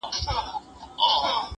دا بازار له هغه ښه دی.